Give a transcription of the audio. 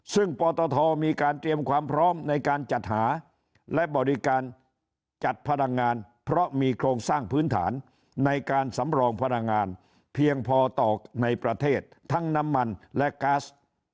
ซึ่งปตทมีการเตรียมความพร้อมในการจัดหาและบริการจัดพลังงานเพราะมีโครงสร้างพื้นฐานในการสำรองพลังงานเพียงพอต่อในประเทศทั้งน้ำมันและก๊าซ